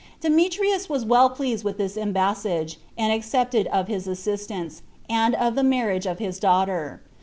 Demetrius was well pleased with this embassage, and accepted of his assistance, and of the marriage of his daughter.